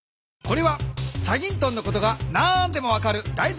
これは『チャギントン』のことが何でも分かるだい